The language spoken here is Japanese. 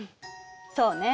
そうね。